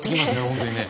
本当にね。